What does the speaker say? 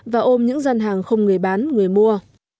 và ôm những gian hàng không người bán người mua